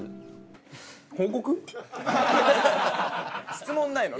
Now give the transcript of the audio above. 質問ないの？